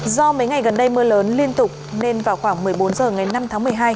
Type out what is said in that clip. do mấy ngày gần đây mưa lớn liên tục nên vào khoảng một mươi bốn h ngày năm tháng một mươi hai